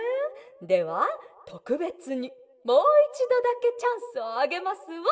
ではとくべつにもういちどだけチャンスをあげますわ」。